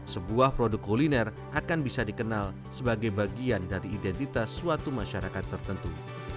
sebuah produk kuliner akan bisa dikenal sebagai bagian dari identitas suatu masyarakat tertentu